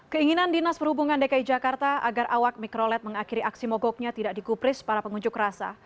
keinginan dinas perhubungan dki jakarta agar awak mikrolet mengakhiri aksi mogoknya tidak dikupris para pengunjuk rasa